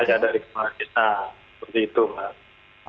seperti itu pak